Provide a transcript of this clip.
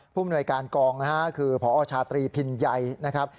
ผู้มีหน่วยการกองนะครับคือพอชาตรีพินใยนะครับ